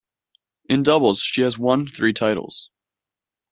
In doubles, she has won three titles.